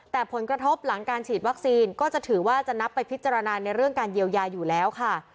แต่ผลกระทบหลังการฉีดวัคซีนก็จะถือว่าจะนับไปพิจารณาในเรื่องการเยียวยาอยู่แล้วค่ะ